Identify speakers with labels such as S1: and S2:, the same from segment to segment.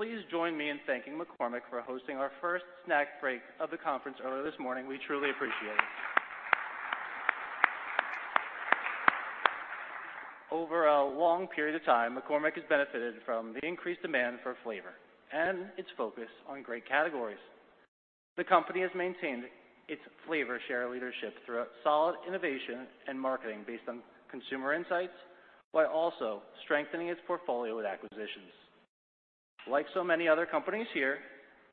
S1: Please join me in thanking McCormick for hosting our first snack break of the conference earlier this morning. We truly appreciate it. Over a long period of time, McCormick has benefited from the increased demand for flavor and its focus on great categories. The company has maintained its flavor share leadership through solid innovation and marketing based on consumer insights, while also strengthening its portfolio with acquisitions. Like so many other companies here,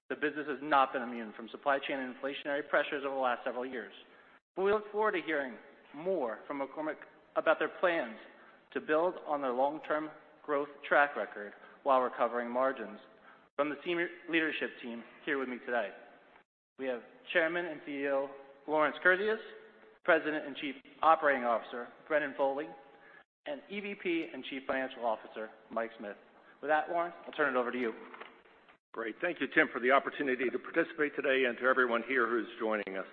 S1: the business has not been immune from supply chain and inflationary pressures over the last several years. We look forward to hearing more from McCormick about their plans to build on their long-term growth track record while recovering margins from the senior leadership team here with me today. We have Chairman and CEO, Lawrence Kurzius, President and Chief Operating Officer, Brendan Foley, and EVP and Chief Financial Officer, Mike Smith. With that, Lawrence, I'll turn it over to you.
S2: Great. Thank you, Tim, for the opportunity to participate today and to everyone here who's joining us.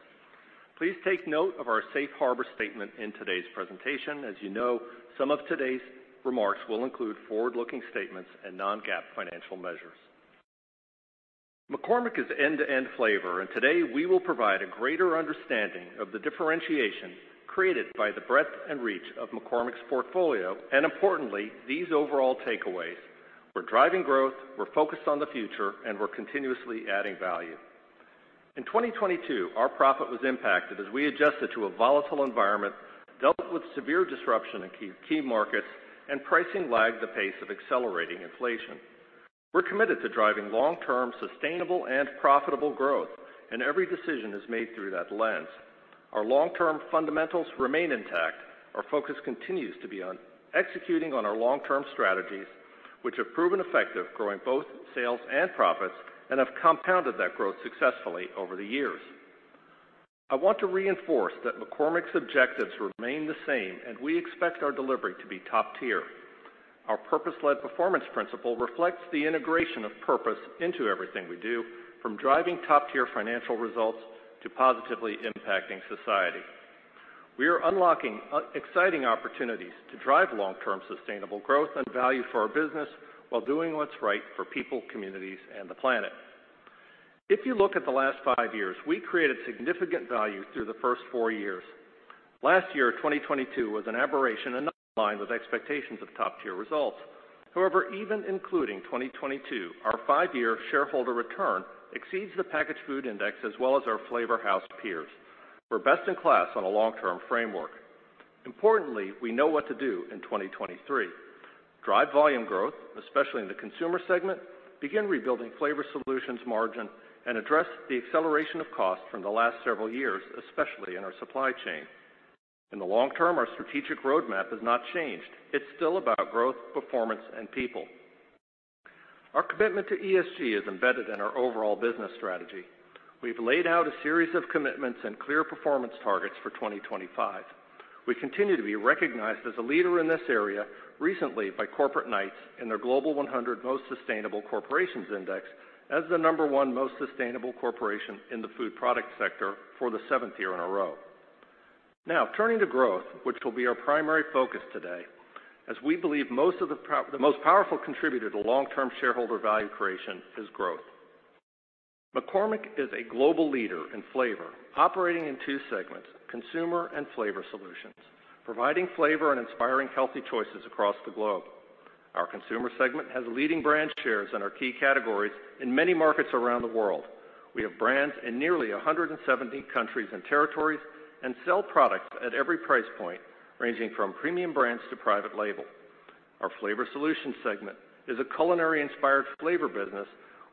S2: Please take note of our safe harbor statement in today's presentation. As you know, some of today's remarks will include forward-looking statements and non-GAAP financial measures. McCormick is end-to-end flavor, and today we will provide a greater understanding of the differentiation created by the breadth and reach of McCormick's portfolio, and importantly, these overall takeaways. We're driving growth, we're focused on the future, and we're continuously adding value. In 2022, our profit was impacted as we adjusted to a volatile environment, dealt with severe disruption in key markets, and pricing lagged the pace of accelerating inflation. We're committed to driving long-term sustainable and profitable growth, and every decision is made through that lens. Our long-term fundamentals remain intact. Our focus continues to be on executing on our long-term strategies, which have proven effective, growing both sales and profits and have compounded that growth successfully over the years. I want to reinforce that McCormick's objectives remain the same. We expect our delivery to be top tier. Our purpose-led performance principle reflects the integration of purpose into everything we do, from driving top-tier financial results to positively impacting society. We are unlocking exciting opportunities to drive long-term sustainable growth and value for our business while doing what's right for people, communities, and the planet. If you look at the last five years, we created significant value through the first four years. Last year, 2022, was an aberration and not in line with expectations of top-tier results. However, even including 2022, our five-year shareholder return exceeds the packaged food index as well as our flavor house peers. We're best in class on a long-term framework. Importantly, we know what to do in 2023. Drive volume growth, especially in the consumer segment, begin rebuilding Flavor Solutions margin, and address the acceleration of costs from the last several years, especially in our supply chain. In the long term, our strategic roadmap has not changed. It's still about growth, performance, and people. Our commitment to ESG is embedded in our overall business strategy. We've laid out a series of commitments and clear performance targets for 2025. We continue to be recognized as a leader in this area, recently by Corporate Knights in their Global 100 Most Sustainable Corporations Index as the number one most sustainable corporation in the food product sector for the seventh year in a row. Turning to growth, which will be our primary focus today, as we believe the most powerful contributor to long-term shareholder value creation is growth. McCormick is a global leader in flavor, operating in two segments, consumer and Flavor Solutions, providing flavor and inspiring healthy choices across the globe. Our consumer segment has leading brand shares in our key categories in many markets around the world. We have brands in nearly 170 countries and territories and sell products at every price point, ranging from premium brands to private label. Our Flavor Solutions segment is a culinary-inspired flavor business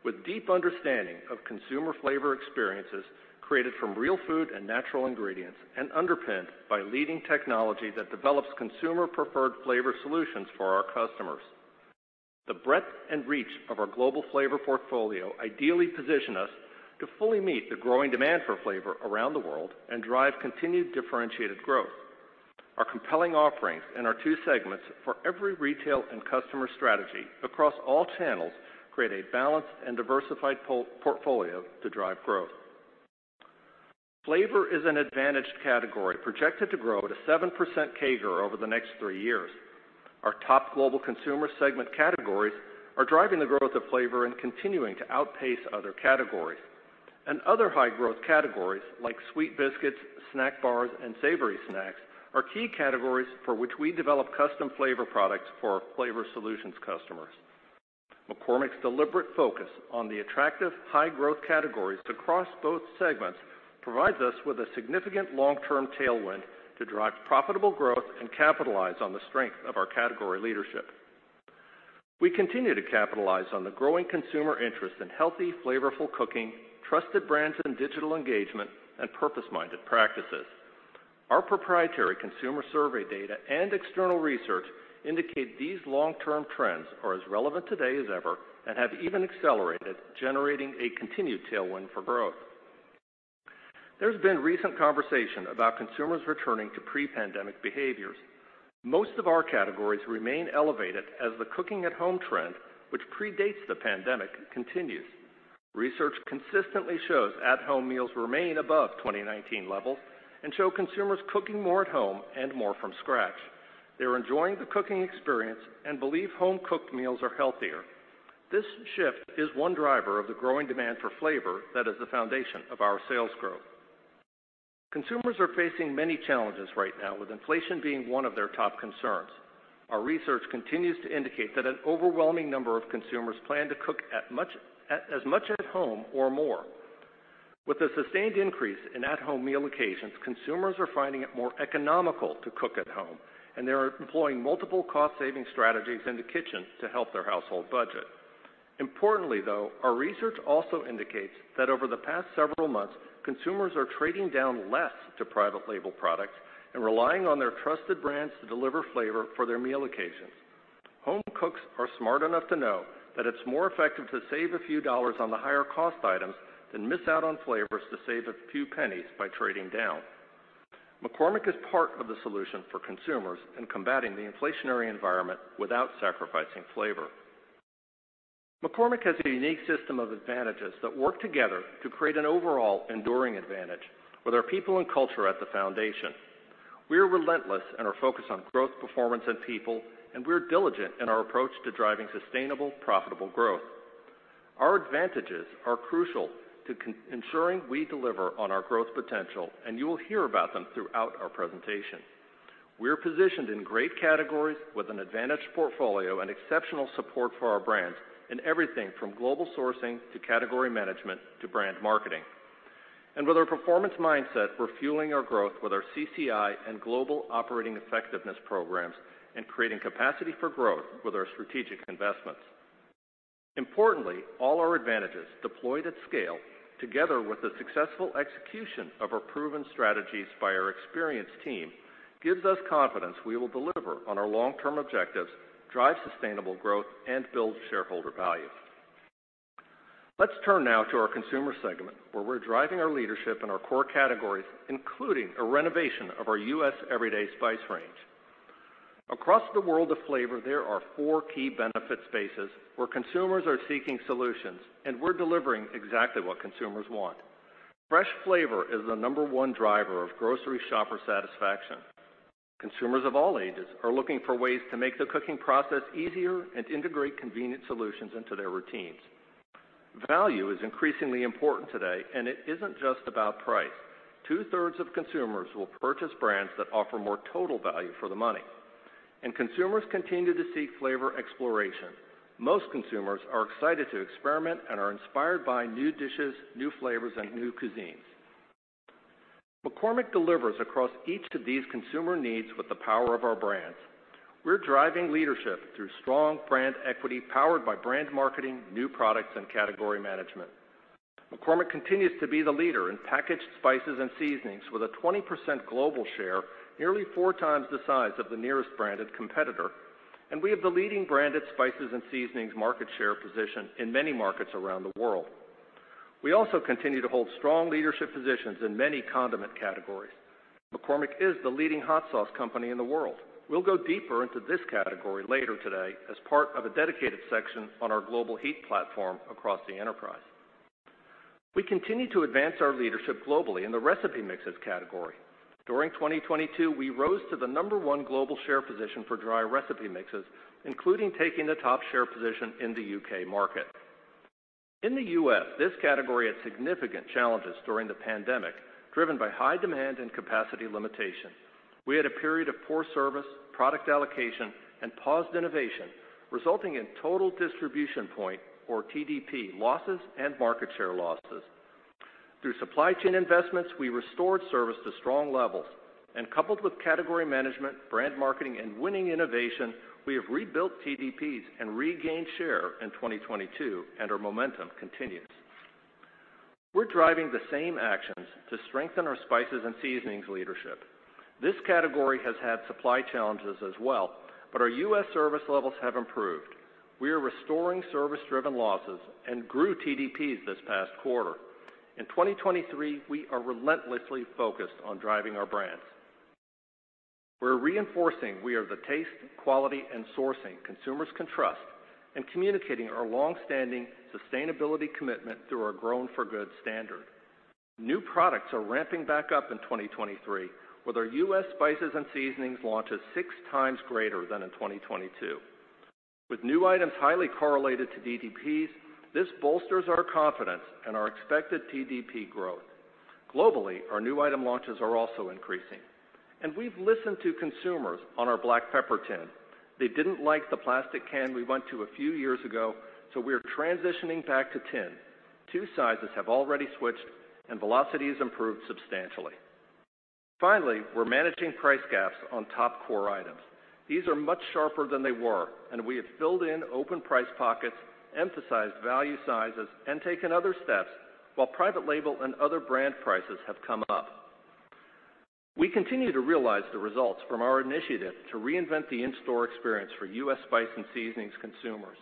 S2: with deep understanding of consumer flavor experiences created from real food and natural ingredients and underpinned by leading technology that develops consumer preferred flavor solutions for our customers. The breadth and reach of our global flavor portfolio ideally position us to fully meet the growing demand for flavor around the world and drive continued differentiated growth. Our compelling offerings in our two segments for every retail and customer strategy across all channels create a balanced and diversified portfolio to drive growth. Flavor is an advantaged category, projected to grow at a 7% CAGR over the next three years. Our top global consumer segment categories are driving the growth of flavor and continuing to outpace other categories. Other high-growth categories like sweet biscuits, snack bars, and savory snacks are key categories for which we develop custom flavor products for our Flavor Solutions customers. McCormick's deliberate focus on the attractive high-growth categories across both segments provides us with a significant long-term tailwind to drive profitable growth and capitalize on the strength of our category leadership. We continue to capitalize on the growing consumer interest in healthy, flavorful cooking, trusted brands and digital engagement, and purpose-minded practices. Our proprietary consumer survey data and external research indicate these long-term trends are as relevant today as ever and have even accelerated, generating a continued tailwind for growth. There's been recent conversation about consumers returning to pre-pandemic behaviors. Most of our categories remain elevated as the cooking at home trend, which predates the pandemic, continues. Research consistently shows at-home meals remain above 2019 levels and show consumers cooking more at home and more from scratch. They're enjoying the cooking experience and believe home-cooked meals are healthier. This shift is one driver of the growing demand for flavor that is the foundation of our sales growth. Consumers are facing many challenges right now, with inflation being one of their top concerns. Our research continues to indicate that an overwhelming number of consumers plan to cook as much at home or more. With a sustained increase in at-home meal occasions, consumers are finding it more economical to cook at home, they are employing multiple cost-saving strategies in the kitchen to help their household budget. Importantly, though, our research also indicates that over the past several months, consumers are trading down less to private label products and relying on their trusted brands to deliver flavor for their meal occasions. Home cooks are smart enough to know that it's more effective to save a few dollars on the higher cost items than miss out on flavors to save a few pennies by trading down. McCormick is part of the solution for consumers in combating the inflationary environment without sacrificing flavor. McCormick has a unique system of advantages that work together to create an overall enduring advantage with our people and culture at the foundation. We are relentless in our focus on growth, performance, and people, and we're diligent in our approach to driving sustainable, profitable growth. Our advantages are crucial to ensuring we deliver on our growth potential, and you will hear about them throughout our presentation. We are positioned in great categories with an advantage portfolio and exceptional support for our brands in everything from global sourcing to category management to brand marketing. With our performance mindset, we're fueling our growth with our CCI and global operating effectiveness programs and creating capacity for growth with our strategic investments. Importantly, all our advantages deployed at scale, together with the successful execution of our proven strategies by our experienced team, gives us confidence we will deliver on our long-term objectives, drive sustainable growth, and build shareholder value. Let's turn now to our consumer segment, where we're driving our leadership in our core categories, including a renovation of our U.S. everyday spice range. Across the world of flavor, there are four key benefit spaces where consumers are seeking solutions. We're delivering exactly what consumers want. Fresh flavor is the number one driver of grocery shopper satisfaction. Consumers of all ages are looking for ways to make the cooking process easier and integrate convenient solutions into their routines. Value is increasingly important today. It isn't just about price. Two-thirds of consumers will purchase brands that offer more total value for the money. Consumers continue to seek flavor exploration. Most consumers are excited to experiment and are inspired by new dishes, new flavors, and new cuisines. McCormick delivers across each of these consumer needs with the power of our brands. We're driving leadership through strong brand equity powered by brand marketing, new products, and category management. McCormick continues to be the leader in packaged spices and seasonings, with a 20% global share, nearly 4x the size of the nearest branded competitor, and we have the leading branded spices and seasonings market share position in many markets around the world. We also continue to hold strong leadership positions in many condiment categories. McCormick is the leading hot sauce company in the world. We'll go deeper into this category later today as part of a dedicated section on our global heat platform across the enterprise. We continue to advance our leadership globally in the recipe mixes category. During 2022, we rose to the number one global share position for dry recipe mixes, including taking the top share position in the U.K. market. In the U.S., this category had significant challenges during the pandemic, driven by high demand and capacity limitations. We had a period of poor service, product allocation, and paused innovation, resulting in total distribution point, or TDP, losses and market share losses. Through supply chain investments, we restored service to strong levels, and coupled with category management, brand marketing, and winning innovation, we have rebuilt TDPs and regained share in 2022, and our momentum continues. We're driving the same actions to strengthen our spices and seasonings leadership. This category has had supply challenges as well, but our U.S. service levels have improved. We are restoring service-driven losses and grew TDPs this past quarter. In 2023, we are relentlessly focused on driving our brands. We're reinforcing we are the taste, quality, and sourcing consumers can trust and communicating our long-standing sustainability commitment through our Grown for Good standard. New products are ramping back up in 2023, with our U.S. spices and seasonings launches 6x greater than in 2022. With new items highly correlated to TDPs, this bolsters our confidence and our expected TDP growth. Globally, our new item launches are also increasing. We've listened to consumers on our black pepper tin. They didn't like the plastic can we went to a few years ago, so we're transitioning back to tin. Two sizes have already switched, and velocity has improved substantially. Finally, we're managing price gaps on top core items. These are much sharper than they were. We have filled in open price pockets, emphasized value sizes, and taken other steps, while private label and other brand prices have come up. We continue to realize the results from our initiative to reinvent the in-store experience for U.S. spice and seasonings consumers.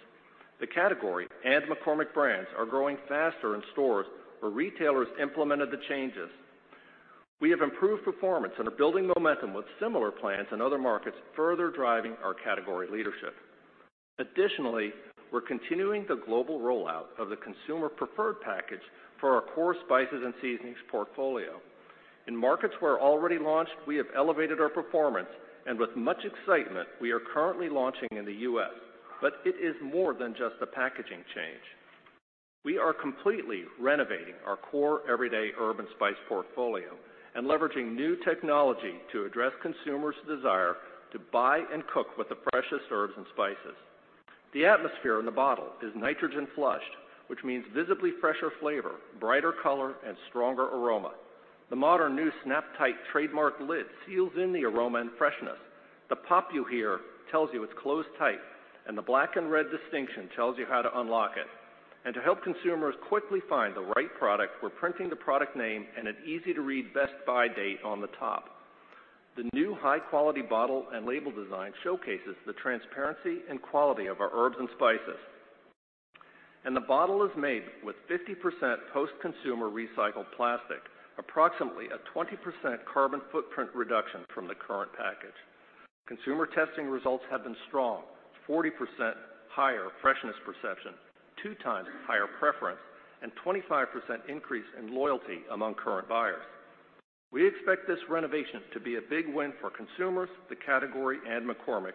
S2: The category and McCormick brands are growing faster in stores where retailers implemented the changes. We have improved performance and are building momentum with similar plans in other markets, further driving our category leadership. Additionally, we're continuing the global rollout of the consumer preferred package for our core spices and seasonings portfolio. In markets where it already launched, we have elevated our performance. With much excitement, we are currently launching in the U.S. It is more than just a packaging change. We are completely renovating our core everyday herb and spice portfolio and leveraging new technology to address consumers' desire to buy and cook with the freshest herbs and spices. The atmosphere in the bottle is nitrogen flushed, which means visibly fresher flavor, brighter color, and stronger aroma. The modern new SnapTight trademarked lid seals in the aroma and freshness. The pop you hear tells you it's closed tight, and the black and red distinction tells you how to unlock it. To help consumers quickly find the right product, we're printing the product name and an easy-to-read best by date on the top. The new high-quality bottle and label design showcases the transparency and quality of our herbs and spices. The bottle is made with 50% post-consumer recycled plastic, approximately a 20% carbon footprint reduction from the current package. Consumer testing results have been strong, 40% higher freshness perception, 2x higher preference, and 25% increase in loyalty among current buyers. We expect this renovation to be a big win for consumers, the category, and McCormick,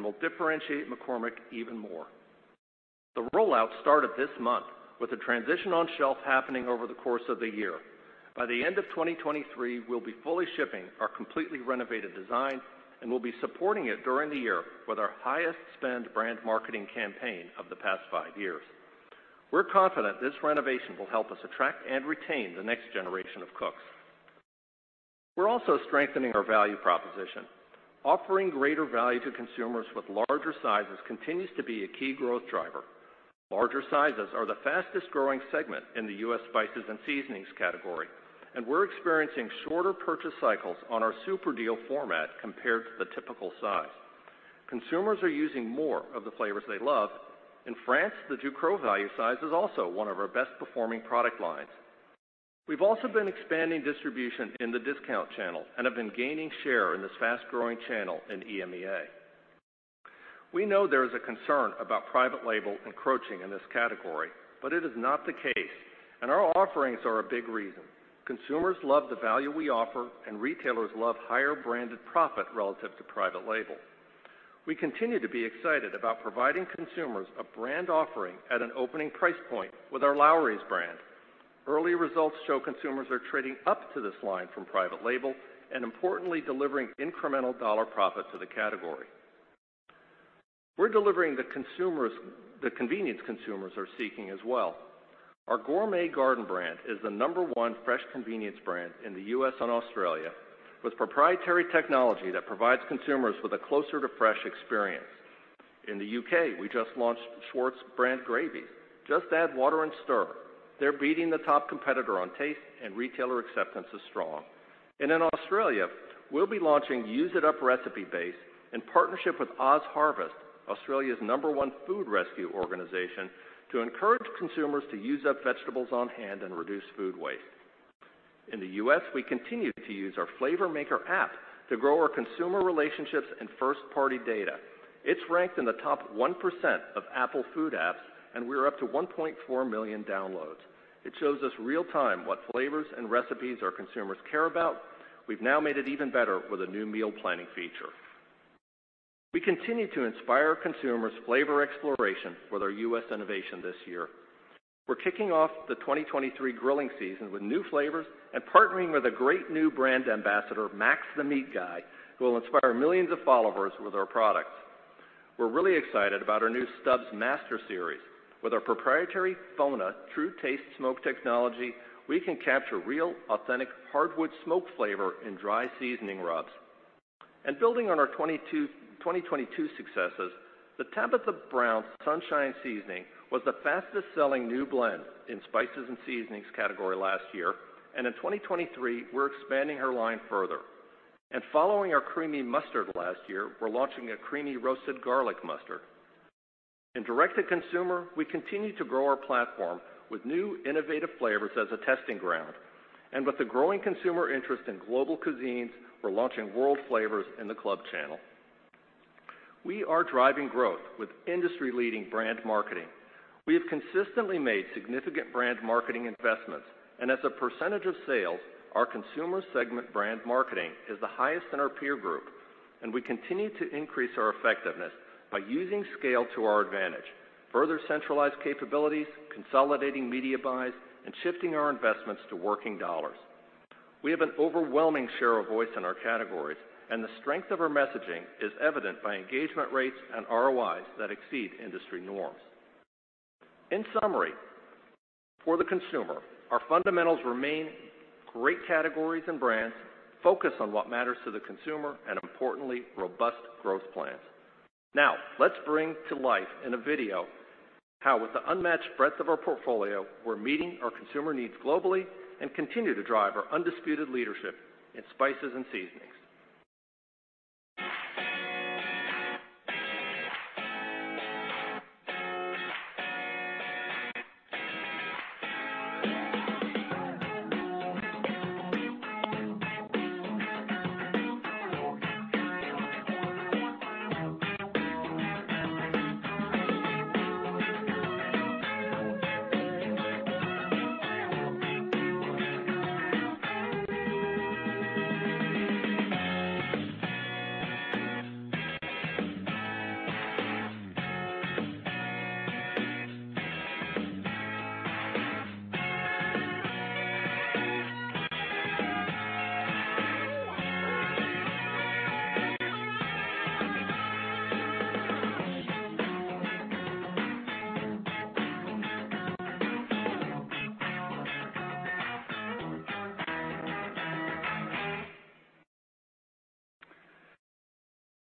S2: will differentiate McCormick even more. The rollout started this month with a transition on shelf happening over the course of the year. By the end of 2023, we'll be fully shipping our completely renovated design and we'll be supporting it during the year with our highest spend brand marketing campaign of the past five years. We're confident this renovation will help us attract and retain the next generation of cooks. We're also strengthening our value proposition. Offering greater value to consumers with larger sizes continues to be a key growth driver. Larger sizes are the fastest growing segment in the U.S. spices and seasonings category. We're experiencing shorter purchase cycles on our super deal format compared to the typical size. Consumers are using more of the flavors they love. In France, the Ducros value size is also one of our best performing product lines. We've also been expanding distribution in the discount channel and have been gaining share in this fast-growing channel in EMEA. We know there is a concern about private label encroaching in this category. It is not the case, and our offerings are a big reason. Consumers love the value we offer, and retailers love higher branded profit relative to private label. We continue to be excited about providing consumers a brand offering at an opening price point with our Lawry's brand. Early results show consumers are trading up to this line from private label and importantly, delivering incremental dollar profit to the category. We're delivering the convenience consumers are seeking as well. Our Gourmet Garden brand is the number 1 fresh convenience brand in the U.S. and Australia with proprietary technology that provides consumers with a closer to fresh experience. In the U.K., we just launched Schwartz brand gravies. Just add water and stir. They're beating the top competitor on taste, and retailer acceptance is strong. In Australia, we'll be launching Use It Up recipe base in partnership with OzHarvest, Australia's number 1 food rescue organization, to encourage consumers to use up vegetables on hand and reduce food waste. In the U.S., we continue to use our Flavor Maker app to grow our consumer relationships and first-party data. It's ranked in the top 1% of Apple food apps, and we're up to 1.4 million downloads. It shows us real-time what flavors and recipes our consumers care about. We've now made it even better with a new meal planning feature. We continue to inspire consumers' flavor exploration with our U.S. innovation this year. We're kicking off the 2023 grilling season with new flavors and partnering with a great new brand ambassador, Max the Meat Guy, who will inspire millions of followers with our products. We're really excited about our new Stubb's Master series. With our proprietary FONA True Taste Smoke technology, we can capture real, authentic hardwood smoke flavor in dry seasoning rubs. Building on our 2022 successes, the Tabitha Brown Sunshine Seasoning was the fastest-selling new blend in spices and seasonings category last year. In 2023, we're expanding her line further. Following our creamy mustard last year, we're launching a creamy roasted garlic mustard. In direct-to-consumer, we continue to grow our platform with new innovative flavors as a testing ground. With the growing consumer interest in global cuisines, we're launching world flavors in the club channel. We are driving growth with industry-leading brand marketing. We have consistently made significant brand marketing investments. As a percentage of sales, our consumer segment brand marketing is the highest in our peer group, and we continue to increase our effectiveness by using scale to our advantage, further centralized capabilities, consolidating media buys, and shifting our investments to working dollars. We have an overwhelming share of voice in our categories, and the strength of our messaging is evident by engagement rates and ROIs that exceed industry norms. In summary, for the consumer, our fundamentals remain great categories and brands, focused on what matters to the consumer, and importantly, robust growth plans. Let's bring to life in a video how with the unmatched breadth of our portfolio, we're meeting our consumer needs globally and continue to drive our undisputed leadership in spices and seasonings.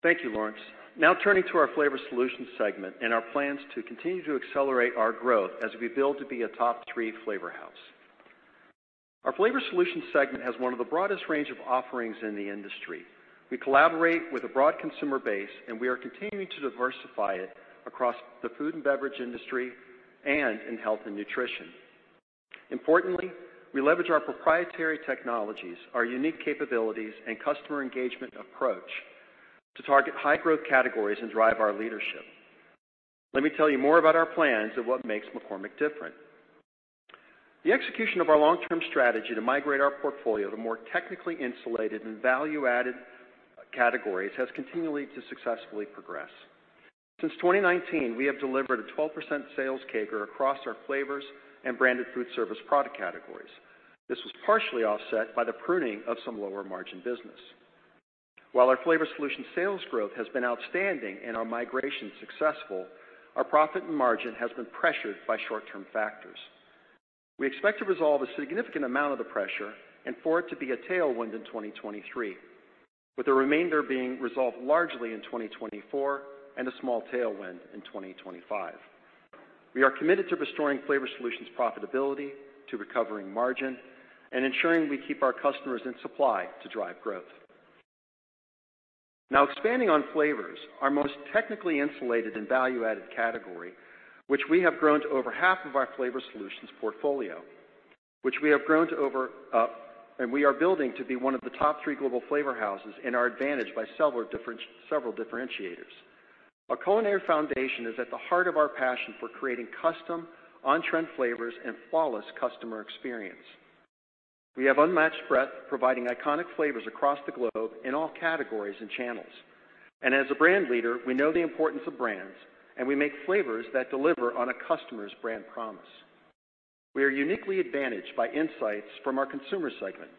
S3: Thank you, Lawrence. Turning to our Flavor Solutions segment and our plans to continue to accelerate our growth as we build to be a top three flavor house. Our Flavor Solutions segment has one of the broadest range of offerings in the industry. We collaborate with a broad consumer base, and we are continuing to diversify it across the food and beverage industry and in health and nutrition. Importantly, we leverage our proprietary technologies, our unique capabilities and customer engagement approach to target high growth categories and drive our leadership. Let me tell you more about our plans and what makes McCormick different. The execution of our long-term strategy to migrate our portfolio to more technically insulated and value-added categories has continually to successfully progress. Since 2019, we have delivered a 12% sales CAGR across our flavors and branded food service product categories. This was partially offset by the pruning of some lower margin business. While our Flavor Solutions sales growth has been outstanding and our migration successful, our profit and margin has been pressured by short-term factors. We expect to resolve a significant amount of the pressure and for it to be a tailwind in 2023, with the remainder being resolved largely in 2024 and a small tailwind in 2025. We are committed to restoring Flavor Solutions profitability to recovering margin and ensuring we keep our customers in supply to drive growth. Expanding on flavors, our most technically insulated and value-added category, which we have grown to over half of our Flavor Solutions portfolio, and we are building to be one of the top three global flavor houses and are advantaged by several differentiators. Our culinary foundation is at the heart of our passion for creating custom on-trend flavors and flawless customer experience. We have unmatched breadth, providing iconic flavors across the globe in all categories and channels. As a brand leader, we know the importance of brands, and we make flavors that deliver on a customer's brand promise. We are uniquely advantaged by insights from our consumer segment.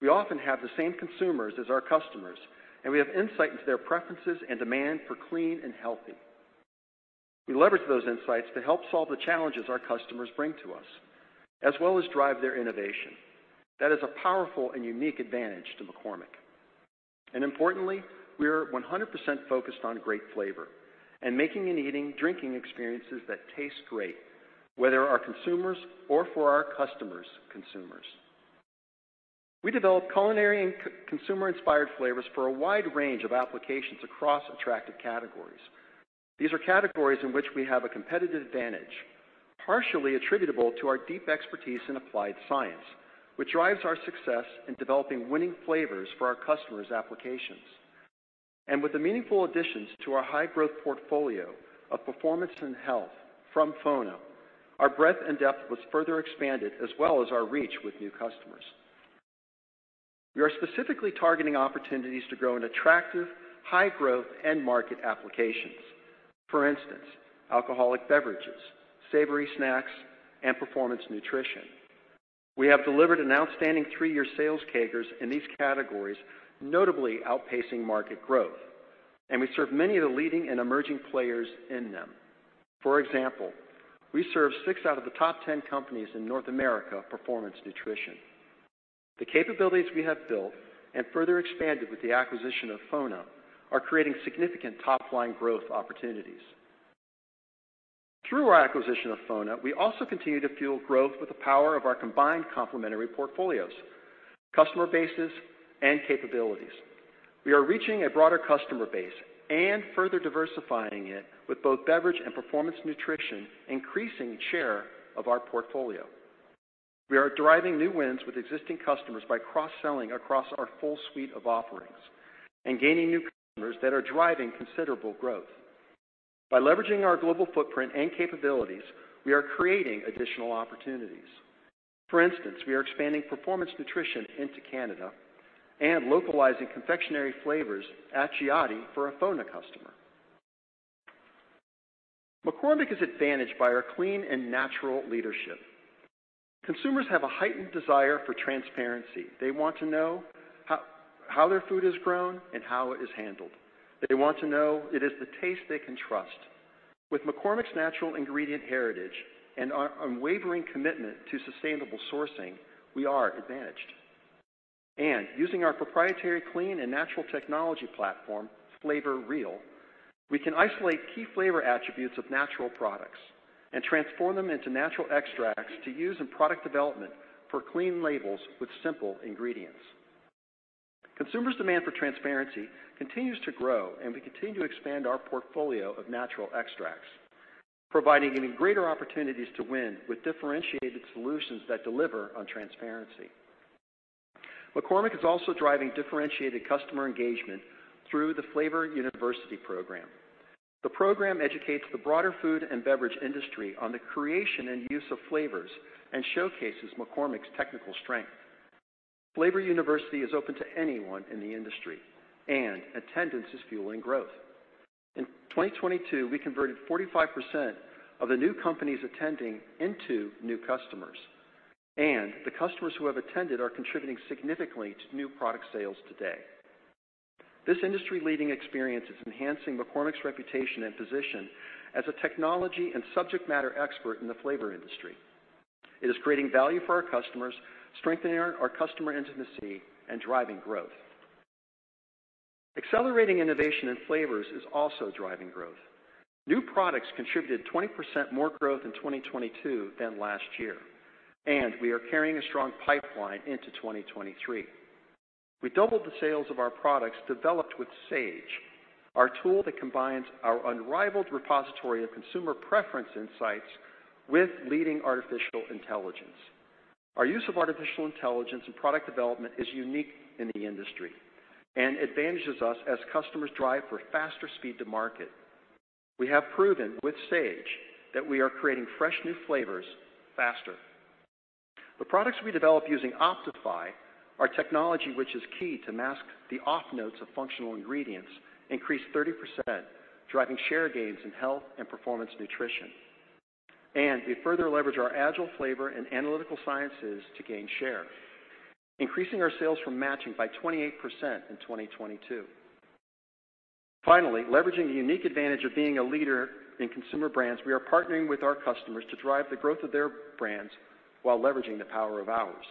S3: We often have the same consumers as our customers, and we have insight into their preferences and demand for clean and healthy. We leverage those insights to help solve the challenges our customers bring to us, as well as drive their innovation. That is a powerful and unique advantage to McCormick. Importantly, we are 100% focused on great flavor and making and eating, drinking experiences that taste great, whether our consumers or for our customers' consumers. We develop culinary and consumer inspired flavors for a wide range of applications across attractive categories. These are categories in which we have a competitive advantage, partially attributable to our deep expertise in applied science, which drives our success in developing winning flavors for our customers' applications. With the meaningful additions to our high growth portfolio of performance and health from FONA, our breadth and depth was further expanded, as well as our reach with new customers. We are specifically targeting opportunities to grow in attractive, high growth end market applications. For instance, alcoholic beverages, savory snacks, and performance nutrition. We have delivered an outstanding three-year sales CAGRs in these categories, notably outpacing market growth, and we serve many of the leading and emerging players in them. For example, we serve six out of the top 10 companies in North America performance nutrition. The capabilities we have built and further expanded with the acquisition of FONA are creating significant top-line growth opportunities. Through our acquisition of FONA, we also continue to fuel growth with the power of our combined complementary portfolios, customer bases, and capabilities. We are reaching a broader customer base and further diversifying it with both beverage and performance nutrition, increasing share of our portfolio. We are driving new wins with existing customers by cross-selling across our full suite of offerings and gaining new customers that are driving considerable growth. Leveraging our global footprint and capabilities, we are creating additional opportunities. For instance, we are expanding performance nutrition into Canada and localizing confectionery flavors at Giotti for a FONA customer. McCormick is advantaged by our clean and natural leadership. Consumers have a heightened desire for transparency. They want to know how their food is grown and how it is handled. They want to know it is the taste they can trust. With McCormick's natural ingredient heritage and our unwavering commitment to sustainable sourcing, we are advantaged. Using our proprietary clean and natural technology platform, FlavorReal, we can isolate key flavor attributes of natural products and transform them into natural extracts to use in product development for clean labels with simple ingredients. Consumers' demand for transparency continues to grow, and we continue to expand our portfolio of natural extracts, providing even greater opportunities to win with differentiated solutions that deliver on transparency. McCormick is also driving differentiated customer engagement through the Flavor University program. The program educates the broader food and beverage industry on the creation and use of flavors, and showcases McCormick's technical strength. Flavor University is open to anyone in the industry, and attendance is fueling growth. In 2022, we converted 45% of the new companies attending into new customers, and the customers who have attended are contributing significantly to new product sales today. This industry-leading experience is enhancing McCormick's reputation and position as a technology and subject matter expert in the flavor industry. It is creating value for our customers, strengthening our customer intimacy, and driving growth. Accelerating innovation in flavors is also driving growth. New products contributed 20% more growth in 2022 than last year, and we are carrying a strong pipeline into 2023. We doubled the sales of our products developed with SAGE, our tool that combines our unrivaled repository of consumer preference insights with leading artificial intelligence. Our use of artificial intelligence in product development is unique in the industry, and advantages us as customers drive for faster speed to market. We have proven with SAGE that we are creating fresh new flavors faster. The products we develop using Optify, our technology which is key to mask the off-notes of functional ingredients, increased 30%, driving share gains in health and performance nutrition. We further leverage our agile flavor and analytical sciences to gain share, increasing our sales from matching by 28% in 2022. Finally, leveraging the unique advantage of being a leader in consumer brands, we are partnering with our customers to drive the growth of their brands while leveraging the power of ours.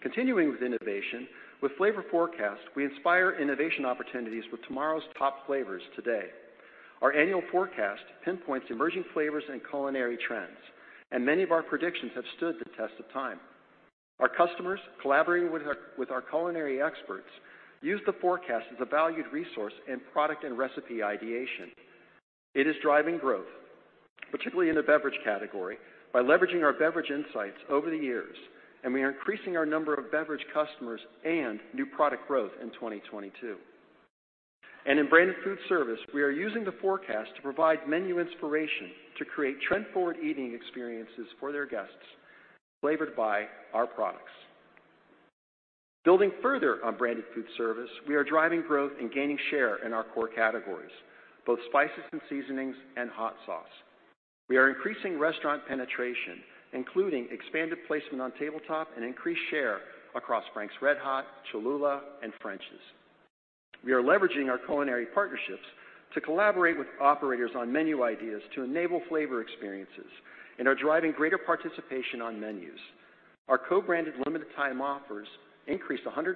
S3: Continuing with innovation, with Flavor Forecast, we inspire innovation opportunities with tomorrow's top flavors today. Our annual forecast pinpoints emerging flavors and culinary trends, and many of our predictions have stood the test of time. Our customers, collaborating with our culinary experts, use the forecast as a valued resource in product and recipe ideation. It is driving growth, particularly in the beverage category, by leveraging our beverage insights over the years, and we are increasing our number of beverage customers and new product growth in 2022. In branded food service, we are using the forecast to provide menu inspiration to create trend-forward eating experiences for their guests, flavored by our products. Building further on branded food service, we are driving growth and gaining share in our core categories, both spices and seasonings and hot sauce. We are increasing restaurant penetration, including expanded placement on tabletop and increased share across Frank's RedHot, Cholula, and French's. We are leveraging our culinary partnerships to collaborate with operators on menu ideas to enable flavor experiences and are driving greater participation on menus. Our co-branded limited time offers increased 120%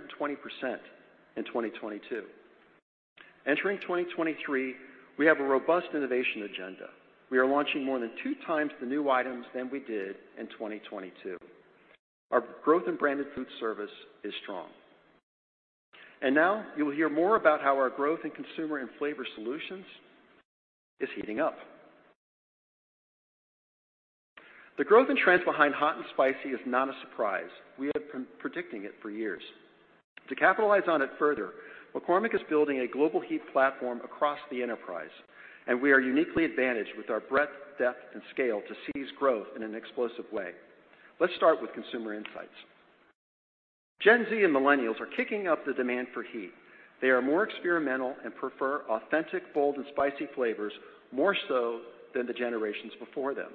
S3: in 2022. Entering 2023, we have a robust innovation agenda. We are launching more than 2 times the new items than we did in 2022. Our growth in branded food service is strong. Now you will hear more about how our growth in consumer and Flavor Solutions is heating up. The growth and trends behind hot and spicy is not a surprise. We have been predicting it for years. To capitalize on it further, McCormick is building a global heat platform across the enterprise, and we are uniquely advantaged with our breadth, depth, and scale to seize growth in an explosive way. Let's start with consumer insights. Gen Z and millennials are kicking up the demand for heat. They are more experimental and prefer authentic, bold, and spicy flavors, more so than the generations before them.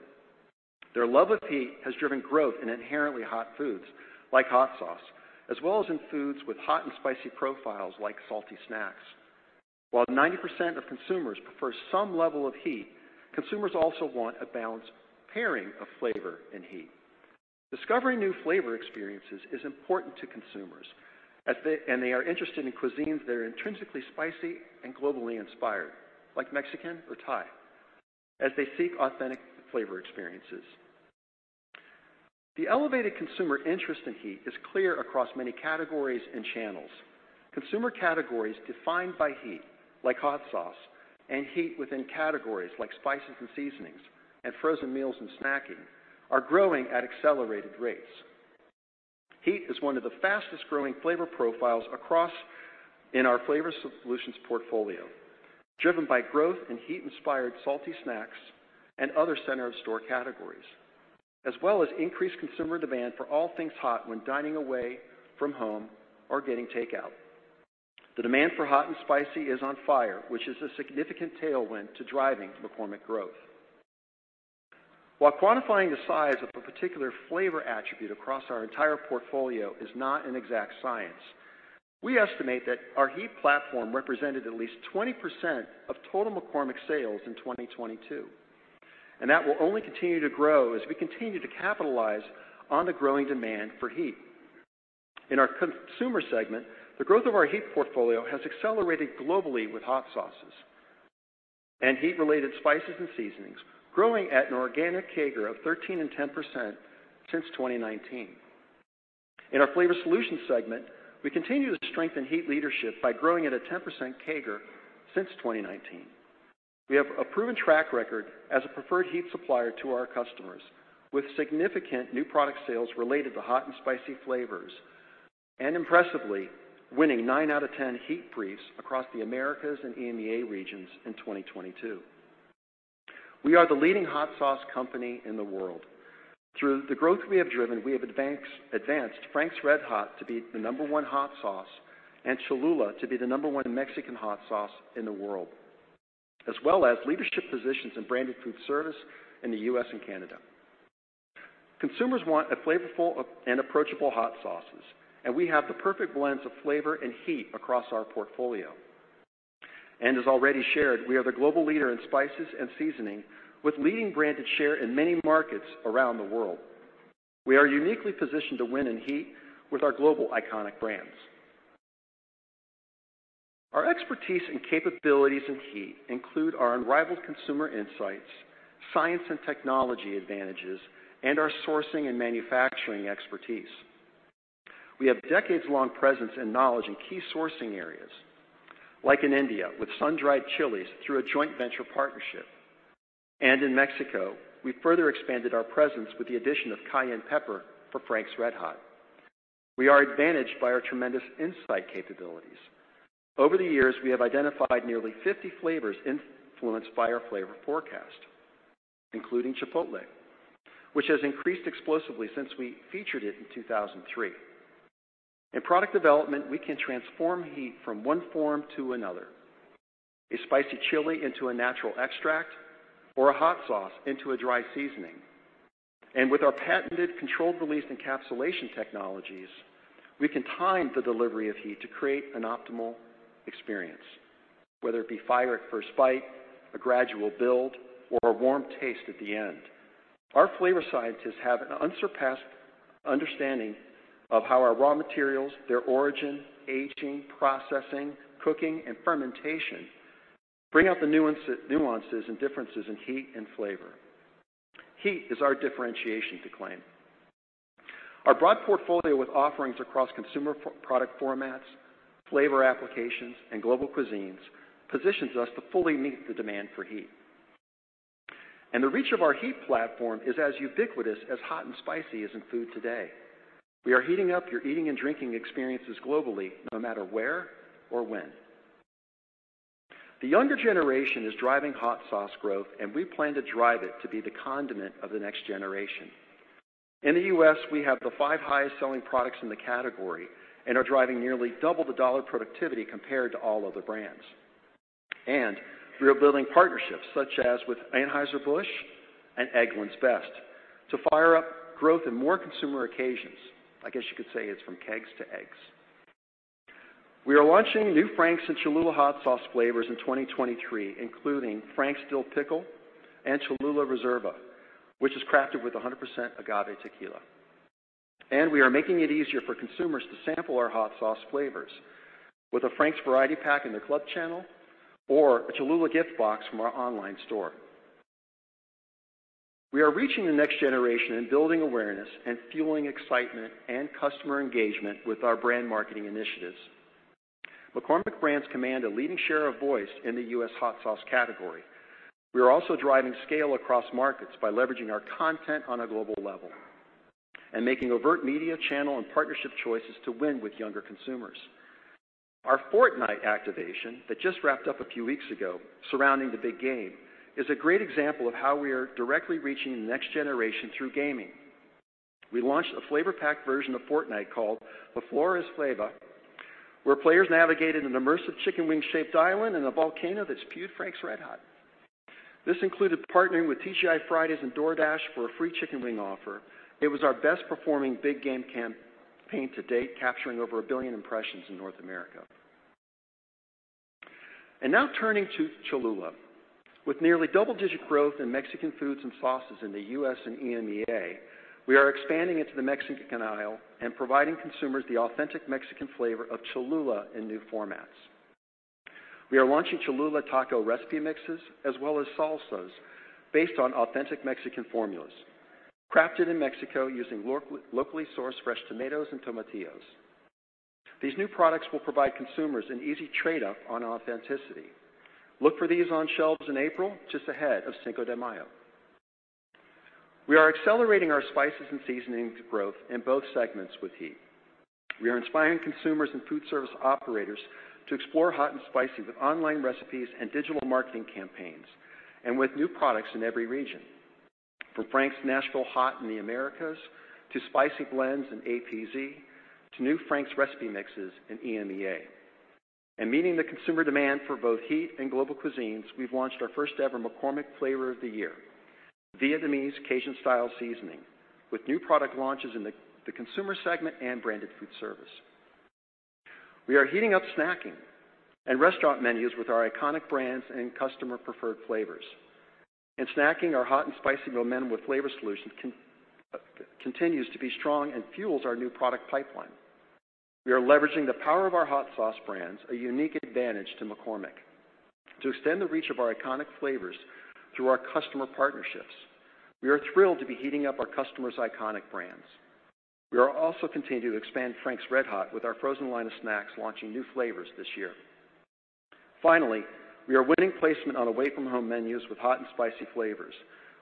S3: Their love of heat has driven growth in inherently hot foods, like hot sauce, as well as in foods with hot and spicy profiles, like salty snacks. While 90% of consumers prefer some level of heat, consumers also want a balanced pairing of flavor and heat. Discovering new flavor experiences is important to consumers as they are interested in cuisines that are intrinsically spicy and globally inspired, like Mexican or Thai, as they seek authentic flavor experiences. The elevated consumer interest in heat is clear across many categories and channels. Consumer categories defined by heat, like hot sauce, and heat within categories like spices and seasonings and frozen meals and snacking, are growing at accelerated rates. Heat is one of the fastest-growing Flavor Solutions profiles in our Flavor Solutions portfolio, driven by growth in heat-inspired salty snacks and other center-of-store categories, as well as increased consumer demand for all things hot when dining away from home or getting takeout. The demand for hot and spicy is on fire, which is a significant tailwind to driving McCormick growth. While quantifying the size of a particular flavor attribute across our entire portfolio is not an exact science, we estimate that our heat platform represented at least 20% of total McCormick sales in 2022, and that will only continue to grow as we continue to capitalize on the growing demand for heat. In our consumer segment, the growth of our heat portfolio has accelerated globally with hot sauces. Heat related spices and seasonings, growing at an organic CAGR of 13% and 10% since 2019. In our Flavor Solutions segment, we continue to strengthen heat leadership by growing at a 10% CAGR since 2019. We have a proven track record as a preferred heat supplier to our customers with significant new product sales related to hot and spicy flavors, and impressively, winning 9 out of 10 heat briefs across the Americas and EMEA regions in 2022. We are the leading hot sauce company in the world. Through the growth we have driven, we have advanced Frank's RedHot to be the number one hot sauce and Cholula to be the number one Mexican hot sauce in the world, as well as leadership positions in branded food service in the U.S. and Canada. Consumers want a flavorful and approachable hot sauces, and we have the perfect blends of flavor and heat across our portfolio. As already shared, we are the global leader in spices and seasoning with leading branded share in many markets around the world. We are uniquely positioned to win in heat with our global iconic brands. Our expertise and capabilities in heat include our unrivaled consumer insights, science and technology advantages, and our sourcing and manufacturing expertise. We have decades-long presence and knowledge in key sourcing areas, like in India with sun-dried chilies through a joint venture partnership. In Mexico, we further expanded our presence with the addition of cayenne pepper for Frank's RedHot. We are advantaged by our tremendous insight capabilities. Over the years, we have identified nearly 50 flavors influenced by our Flavor Forecast, including chipotle, which has increased explosively since we featured it in 2003. In product development, we can transform heat from one form to another, a spicy chili into a natural extract or a hot sauce into a dry seasoning. With our patented controlled release encapsulation technologies, we can time the delivery of heat to create an optimal experience, whether it be fire at first bite, a gradual build, or a warm taste at the end. Our flavor scientists have an unsurpassed understanding of how our raw materials, their origin, aging, processing, cooking, and fermentation bring out the nuances and differences in heat and flavor. Heat is our differentiation to claim. Our broad portfolio with offerings across consumer product formats, flavor applications, and global cuisines positions us to fully meet the demand for heat. The reach of our heat platform is as ubiquitous as hot and spicy is in food today. We are heating up your eating and drinking experiences globally, no matter where or when. The younger generation is driving hot sauce growth. We plan to drive it to be the condiment of the next generation. In the U.S., we have the five highest selling products in the category and are driving nearly double the dollar productivity compared to all other brands. We are building partnerships such as with Anheuser-Busch and Eggland's Best to fire up growth in more consumer occasions. I guess you could say it's from kegs to eggs. We are launching new Frank's and Cholula hot sauce flavors in 2023, including Frank's Dill Pickle and Cholula Reserva, which is crafted with 100% agave tequila. We are making it easier for consumers to sample our hot sauce flavors with a Frank's variety pack in the club channel or a Cholula gift box from our online store. We are reaching the next generation in building awareness and fueling excitement and customer engagement with our brand marketing initiatives. McCormick brands command a leading share of voice in the U.S. hot sauce category. We are also driving scale across markets by leveraging our content on a global level and making overt media channel and partnership choices to win with younger consumers. Our Fortnite activation that just wrapped up a few weeks ago surrounding the big game is a great example of how we are directly reaching the next generation through gaming. We launched a flavor pack version of Fortnite called The Floor is Flava, where players navigated an immersive chicken wing-shaped island in a volcano that spewed Frank's RedHot. This included partnering with TGI Fridays and DoorDash for a free chicken wing offer. It was our best performing big game campaign to date, capturing over a billion impressions in North America. Now turning to Cholula. With nearly double-digit growth in Mexican foods and sauces in the U.S. and EMEA, we are expanding into the Mexican aisle and providing consumers the authentic Mexican flavor of Cholula in new formats. We are launching Cholula taco recipe mixes as well as salsas based on authentic Mexican formulas, crafted in Mexico using locally sourced fresh tomatoes and tomatillos. These new products will provide consumers an easy trade-up on authenticity. Look for these on shelves in April, just ahead of Cinco de Mayo. We are accelerating our spices and seasonings growth in both segments with heat. We are inspiring consumers and food service operators to explore hot and spicy with online recipes and digital marketing campaigns, and with new products in every region. From Frank's RedHot Nashville Hot in the Americas, to spicy blends in APZ, to new Frank's recipe mixes in EMEA. Meeting the consumer demand for both heat and global cuisines, we've launched our first ever McCormick Flavor of the Year, Vietnamese x Cajun Style Seasoning, with new product launches in the consumer segment and branded food service. We are heating up snacking and restaurant menus with our iconic brands and customer preferred flavors. In snacking, our hot and spicy momentum with Flavor Solutions.
S4: Continues to be strong and fuels our new product pipeline. We are leveraging the power of our hot sauce brands, a unique advantage to McCormick, to extend the reach of our iconic flavors through our customer partnerships. We are thrilled to be heating up our customers' iconic brands. We are also continuing to expand Frank's RedHot with our frozen line of snacks, launching new flavors this year. Finally, we are winning placement on away-from-home menus with hot and spicy flavors,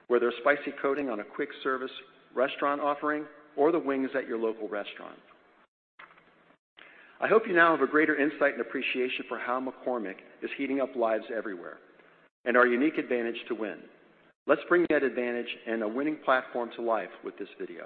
S4: whether a spicy coating on a quick service restaurant offering or the wings at your local restaurant. I hope you now have a greater insight and appreciation for how McCormick is heating up lives everywhere and our unique advantage to win. Let's bring that advantage and a winning platform to life with this video.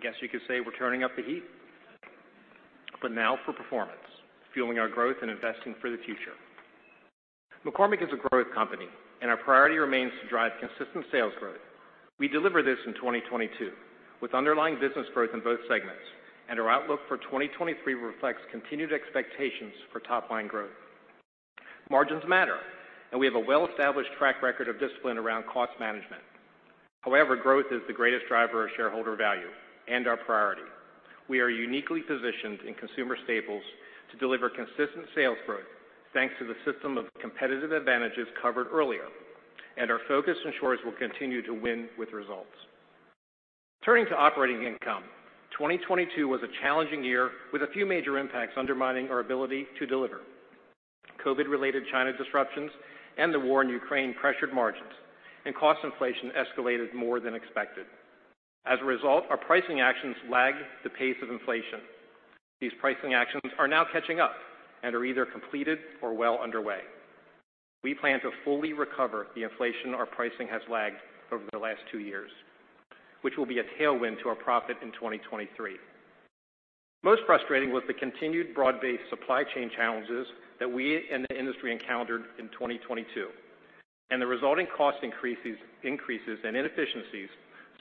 S4: I guess you could say we're turning up the heat. Now for performance, fueling our growth, and investing for the future. McCormick is a growth company, and our priority remains to drive consistent sales growth. We delivered this in 2022, with underlying business growth in both segments, and our outlook for 2023 reflects continued expectations for top line growth. Margins matter, and we have a well-established track record of discipline around cost management. Growth is the greatest driver of shareholder value and our priority. We are uniquely positioned in consumer staples to deliver consistent sales growth, thanks to the system of competitive advantages covered earlier, and our focus ensures we'll continue to win with results. Turning to operating income, 2022 was a challenging year with a few major impacts undermining our ability to deliver. COVID-related China disruptions and the war in Ukraine pressured margins, and cost inflation escalated more than expected. As a result, our pricing actions lagged the pace of inflation. These pricing actions are now catching up and are either completed or well underway. We plan to fully recover the inflation our pricing has lagged over the last two years, which will be a tailwind to our profit in 2023. Most frustrating was the continued broad-based supply chain challenges that we and the industry encountered in 2022, and the resulting cost increases and inefficiencies,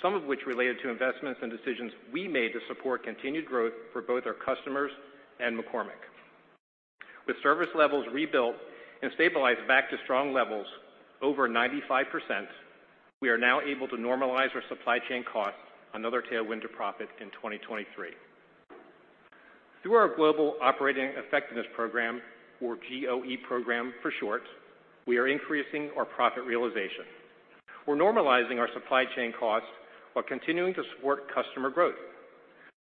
S4: some of which related to investments and decisions we made to support continued growth for both our customers and McCormick. With service levels rebuilt and stabilized back to strong levels, over 95%, we are now able to normalize our supply chain costs, another tailwind to profit in 2023. Through our global operating effectiveness program, or GOE program for short, we are increasing our profit realization. We're normalizing our supply chain costs while continuing to support customer growth.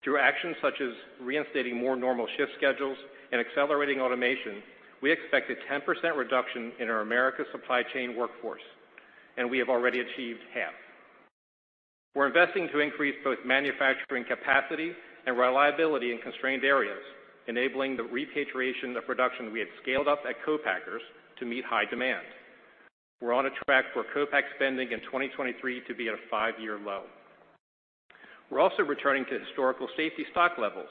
S4: Through actions such as reinstating more normal shift schedules and accelerating automation, we expect a 10% reduction in our America supply chain workforce, and we have already achieved half. We're investing to increase both manufacturing capacity and reliability in constrained areas, enabling the repatriation of production we had scaled up at co-packers to meet high demand. We're on a track for co-pack spending in 2023 to be at a five-year low. We're also returning to historical safety stock levels.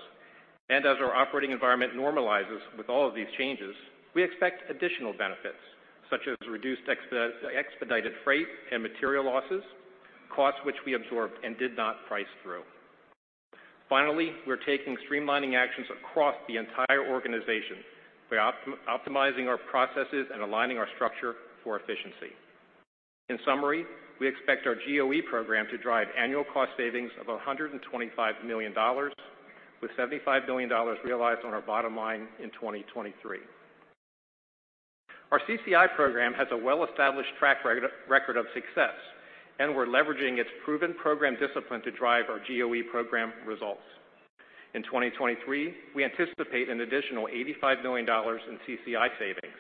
S4: As our operating environment normalizes with all of these changes, we expect additional benefits, such as reduced expedited freight and material losses, costs which we absorbed and did not price through. Finally, we're taking streamlining actions across the entire organization. We're optimizing our processes and aligning our structure for efficiency. In summary, we expect our GOE program to drive annual cost savings of $125 million, with $75 million realized on our bottom line in 2023. Our CCI program has a well-established track record of success, and we're leveraging its proven program discipline to drive our GOE program results. In 2023, we anticipate an additional $85 million in CCI savings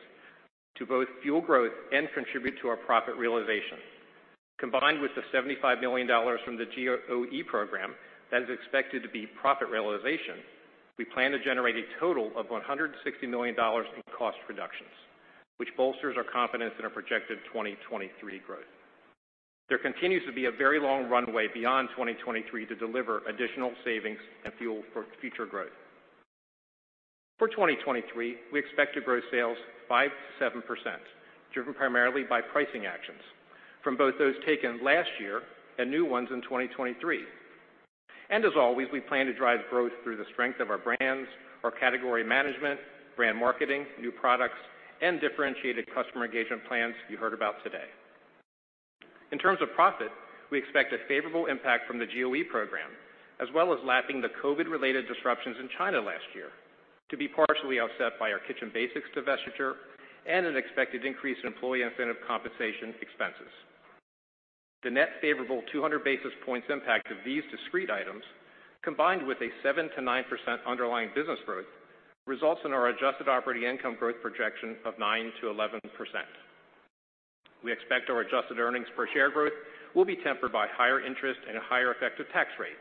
S4: to both fuel growth and contribute to our profit realization. Combined with the $75 million from the GOE program, that is expected to be profit realization, we plan to generate a total of $160 million in cost reductions, which bolsters our confidence in our projected 2023 growth. There continues to be a very long runway beyond 2023 to deliver additional savings and fuel for future growth. For 2023, we expect to grow sales 5%-7%, driven primarily by pricing actions from both those taken last year and new ones in 2023. As always, we plan to drive growth through the strength of our brands, our category management, brand marketing, new products, and differentiated customer engagement plans you heard about today. In terms of profit, we expect a favorable impact from the GOE program, as well as lapping the COVID-related disruptions in China last year to be partially offset by our Kitchen Basics divestiture and an expected increase in employee incentive compensation expenses. The net favorable 200 basis points impact of these discrete items, combined with a 7%-9% underlying business growth, results in our adjusted operating income growth projection of 9%-11%. We expect our adjusted earnings per share growth will be tempered by higher interest and a higher effective tax rate.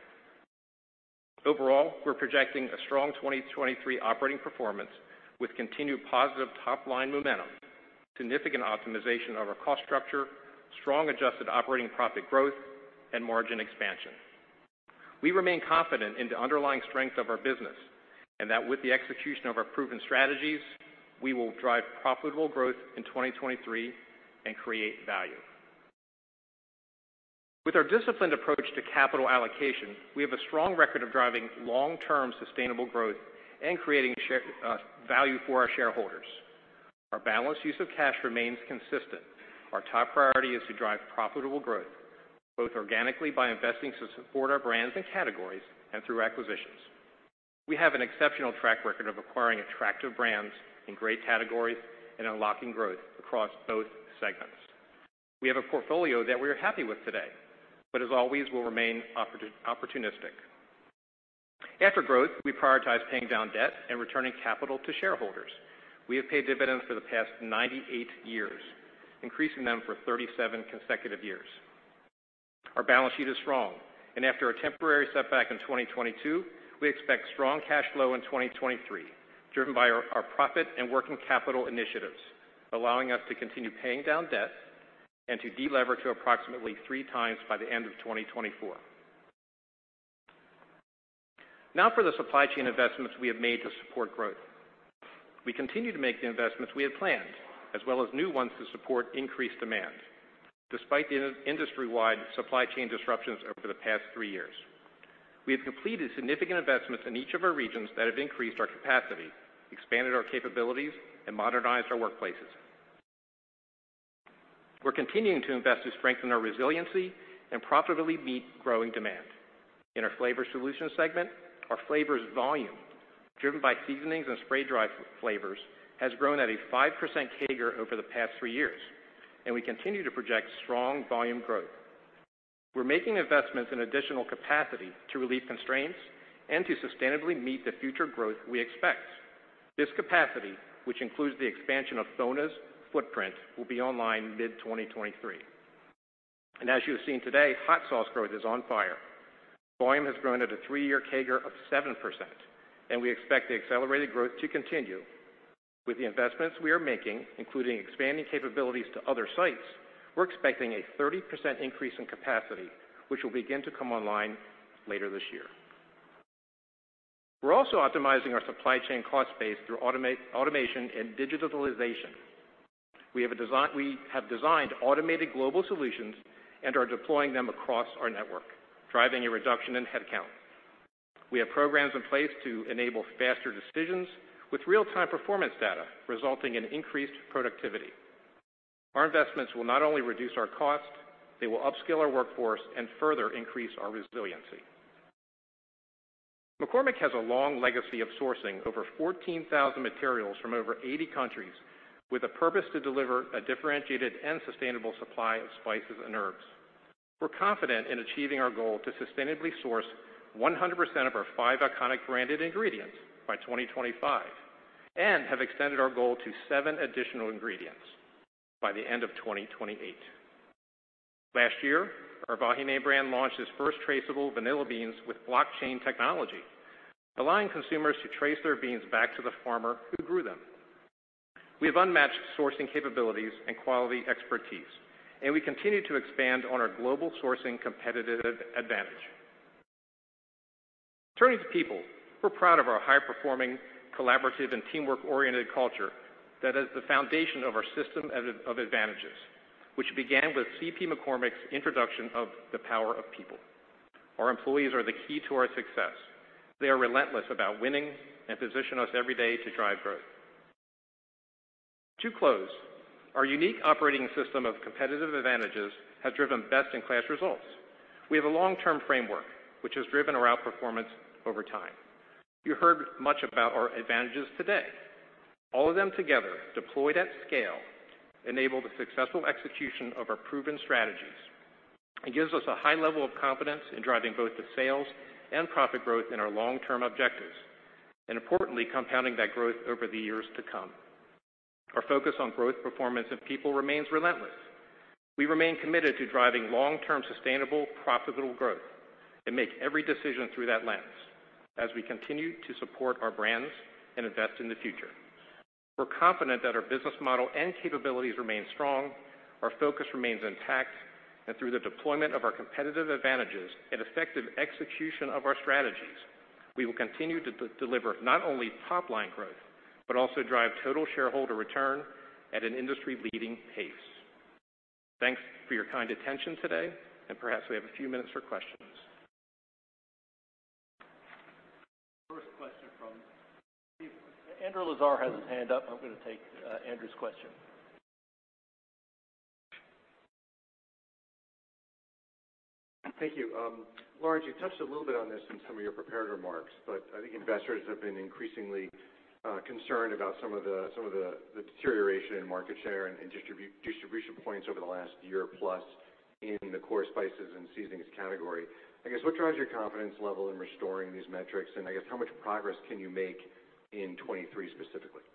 S4: Overall, we're projecting a strong 2023 operating performance with continued positive top-line momentum, significant optimization of our cost structure, strong adjusted operating profit growth, and margin expansion. We remain confident in the underlying strength of our business, and that with the execution of our proven strategies, we will drive profitable growth in 2023 and create value. With our disciplined approach to capital allocation, we have a strong record of driving long-term sustainable growth and creating share value for our shareholders. Our balanced use of cash remains consistent. Our top priority is to drive profitable growth, both organically by investing to support our brands and categories and through acquisitions. We have an exceptional track record of acquiring attractive brands in great categories and unlocking growth across both segments. We have a portfolio that we are happy with today, but as always, we'll remain opportunistic. After growth, we prioritize paying down debt and returning capital to shareholders. We have paid dividends for the past 98 years, increasing them for 37 consecutive years. Our balance sheet is strong, and after a temporary setback in 2022, we expect strong cash flow in 2023, driven by our profit and working capital initiatives, allowing us to continue paying down debt and to delever to approximately three times by the end of 2024. Now for the supply chain investments we have made to support growth. We continue to make the investments we had planned, as well as new ones to support increased demand, despite the industry-wide supply chain disruptions over the past three years. We have completed significant investments in each of our regions that have increased our capacity, expanded our capabilities, and modernized our workplaces. We're continuing to invest to strengthen our resiliency and profitably meet growing demand. In our Flavor Solutions segment, our flavors volume, driven by seasonings and spray-dried flavors, has grown at a 5% CAGR over the past three years, and we continue to project strong volume growth. We're making investments in additional capacity to relieve constraints and to sustainably meet the future growth we expect. This capacity, which includes the expansion of FONA's footprint, will be online mid-2023. As you have seen today, hot sauce growth is on fire. Volume has grown at a three-year CAGR of 7%, and we expect the accelerated growth to continue. With the investments we are making, including expanding capabilities to other sites, we're expecting a 30% increase in capacity, which will begin to come online later this year. We're also optimizing our supply chain cost base through automation and digitalization. We have designed automated global solutions and are deploying them across our network, driving a reduction in headcount. We have programs in place to enable faster decisions with real-time performance data, resulting in increased productivity. Our investments will not only reduce our cost, they will upskill our workforce and further increase our resiliency. McCormick has a long legacy of sourcing over 14,000 materials from over 80 countries with a purpose to deliver a differentiated and sustainable supply of spices and herbs. We're confident in achieving our goal to sustainably source 100% of our five iconic branded ingredients by 2025 and have extended our goal to seven additional ingredients by the end of 2028. Last year, our Vahine brand launched its first traceable vanilla beans with blockchain technology, allowing consumers to trace their beans back to the farmer who grew them. We have unmatched sourcing capabilities and quality expertise, and we continue to expand on our global sourcing competitive advantage. Turning to people, we're proud of our high-performing, collaborative, and teamwork-oriented culture that is the foundation of our system of advantages, which began with C.P. McCormick's introduction of the power of people. Our employees are the key to our success. They are relentless about winning and position us every day to drive growth. To close, our unique operating system of competitive advantages has driven best-in-class results. We have a long-term framework which has driven our outperformance over time. You heard much about our advantages today. All of them together, deployed at scale, enable the successful execution of our proven strategies and gives us a high level of confidence in driving both the sales and profit growth in our long-term objectives, and importantly, compounding that growth over the years to come. Our focus on growth, performance, and people remains relentless. We remain committed to driving long-term sustainable, profitable growth and make every decision through that lens as we continue to support our brands and invest in the future.
S2: We're confident that our business model and capabilities remain strong, our focus remains intact, and through the deployment of our competitive advantages and effective execution of our strategies, we will continue to deliver not only top-line growth, but also drive total shareholder return at an industry-leading pace. Thanks for your kind attention today, and perhaps we have a few minutes for questions.
S1: First question from Steve. Andrew Lazar has his hand up. I'm gonna take Andrew's question.
S5: Thank you. Lawrence, you touched a little bit on this in some of your prepared remarks, but I think investors have been increasingly concerned about some of the deterioration in market share and distribution points over the last year plus in the core spices and seasonings category. I guess, what drives your confidence level in restoring these metrics? I guess how much progress can you make in 2023 specifically?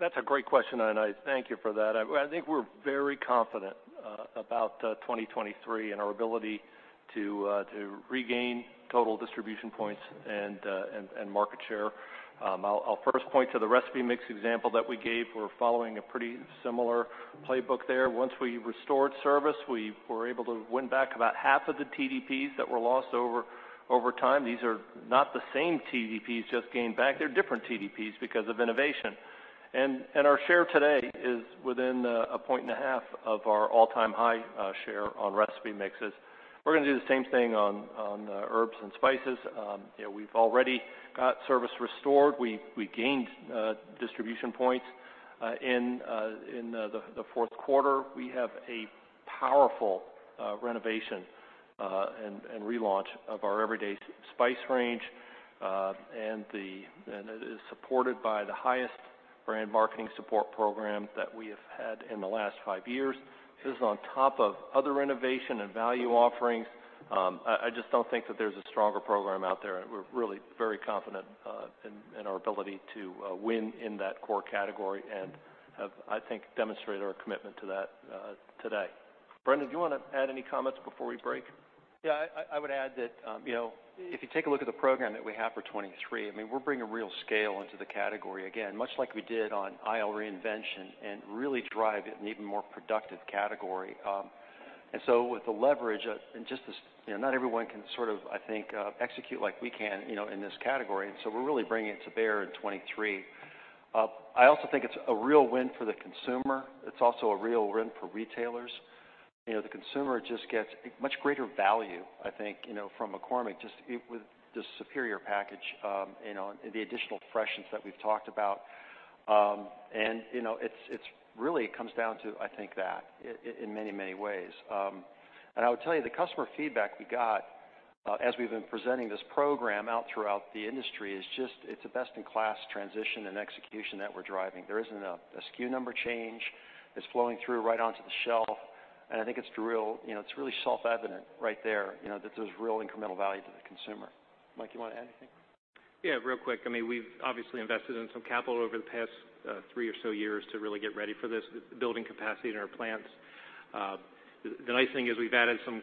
S2: That's a great question, I thank you for that. I think we're very confident about 2023 and our ability to regain total distribution points and market share. I'll first point to the recipe mix example that we gave. We're following a pretty similar playbook there. Once we restored service, we were able to win back about half of the TDPs that were lost over time. These are not the same TDPs just gained back. They're different TDPs because of innovation. Our share today is within 1.5 points of our all-time high share on recipe mixes. We're gonna do the same thing on herbs and spices. You know, we've already got service restored. We gained distribution points in the fourth quarter. We have a powerful renovation and relaunch of our everyday spice range. It is supported by the highest brand marketing support program that we have had in the last five years. This is on top of other renovation and value offerings. I just don't think that there's a stronger program out there, and we're really very confident in our ability to win in that core category and have, I think, demonstrated our commitment to that today. Brendan, do you wanna add any comments before we break?
S3: Yeah. I would add that, you know, if you take a look at the program that we have for 2023, I mean, we're bringing real scale into the category, again, much like we did on aisle reinvention and really drive it an even more productive category. Just this, you know, not everyone can sort of, I think, execute like we can, you know, in this category. So we're really bringing it to bear in 2023. I also think it's a real win for the consumer. It's also a real win for retailers. You know, the consumer just gets a much greater value, I think, you know, from McCormick, just with the superior package, you know, and the additional freshness that we've talked about. You know, it's really comes down to, I think that in many, many ways. I would tell you the customer feedback we got, as we've been presenting this program out throughout the industry is just, it's a best in class transition and execution that we're driving. There isn't a SKU number change. It's flowing through right onto the shelf. I think it's real, you know, it's really self-evident right there, you know, that there's real incremental value to the consumer. Mike, you wanna add anything?
S2: Yeah, real quick. I mean, we've obviously invested in some capital over the past three or so years to really get ready for this, building capacity in our plants. The nice thing is we've added some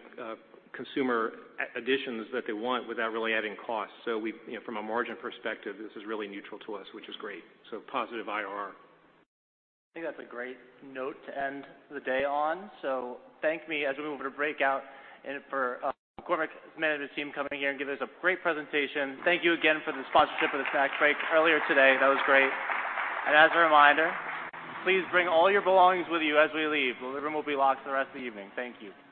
S2: consumer additions that they want without really adding cost. We, you know, from a margin perspective, this is really neutral to us, which is great. Positive IRR.
S1: I think that's a great note to end the day on. Join me as we move into breakout and for McCormick and his team coming here and giving us a great presentation. Thank you again for the sponsorship of the snack break earlier today. That was great. As a reminder, please bring all your belongings with you as we leave. The room will be locked the rest of the evening. Thank you.